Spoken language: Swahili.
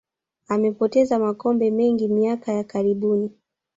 amepoteza makombe mengi miaka ya karibuni